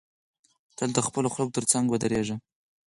تل د خپلو خلکو تر څنګ ودریږی